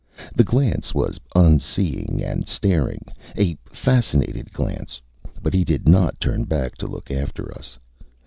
The glance was unseeing and staring, a fascinated glance; but he did not turn to look after us.